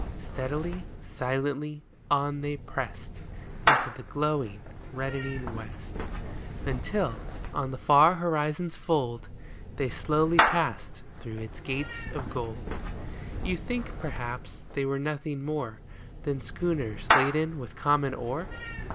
Steadily, silently, on they pressed Into the glowing, reddening west ; Until, on the far horizon's fold, They slowly passed through its gate of gold. You think, perhaps, they were nothing more Than schooners laden with common ore